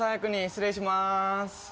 失礼します。